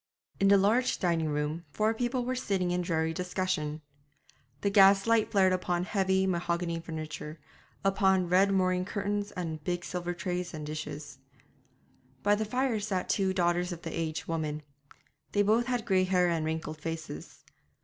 In the large dining room four people were sitting in dreary discussion. The gas light flared upon heavy mahogany furniture, upon red moreen curtains and big silver trays and dishes. By the fire sat the two daughters of the aged woman. They both had grey hair and wrinkled faces.